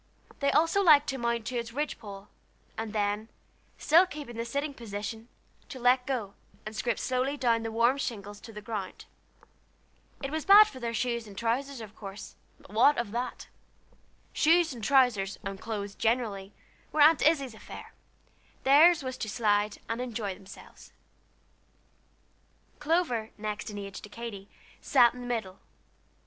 They also liked to mount to the ridge pole, and then, still keeping the sitting position, to let go, and scrape slowly down over the warm shingles to the ground. It was bad for their shoes and trousers, of course, but what of that? Shoes and trousers, and clothes generally, were Aunt Izzie's affair; theirs was to slide and enjoy themselves. Clover, next in age to Katy, sat in the middle.